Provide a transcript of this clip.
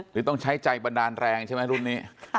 หรือต้องใช้ใจบันดาลแรงใช่ไหมรุ่นนี้